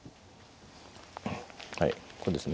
はいこうですね。